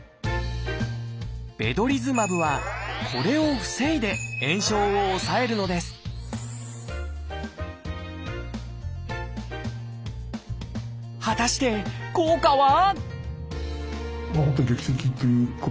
ベドリズマブはこれを防いで炎症を抑えるのです果たして効果は？